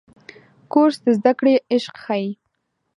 کورس د زده کړې عشق ښيي.